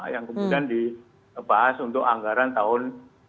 yang kemudian dibahas untuk anggaran tahun dua puluh dua